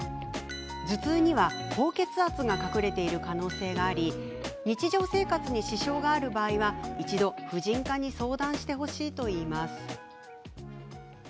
頭痛には高血圧が隠れている可能性があり日常生活に支障がある場合は一度、婦人科に相談してほしいといいます。